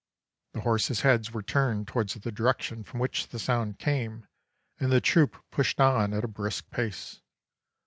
The horses' heads were turned towards the direction from which the sound came, and the troop pushed on at a brisk pace.